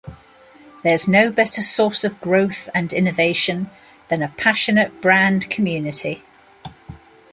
There's no better source of growth and innovation than a passionate brand community.